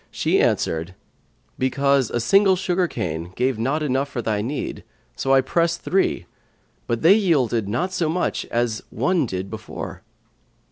she answered, "Because a single sugar cane gave not enough for thy need; so I pressed three; but they yielded not to much as one did before."